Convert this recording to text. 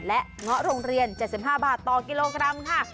และเงาะโรงเรียน๗๕บาทต่อกิโลกรัมค่ะ